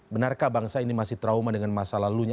benarkah bangsa ini masih trauma dengan masa lalunya